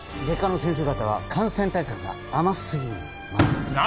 外科の先生方は感染対策が甘すぎます。